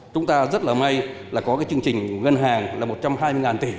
chúng ta rất là may là có cái chương trình ngân hàng là một trăm hai mươi tỷ